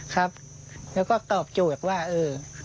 ครับแล้วก็ตอบโจทย์ว่าเออ